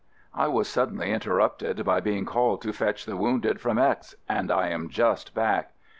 I was suddenly interrupted by being called to fetch the wounded from X and I am just back.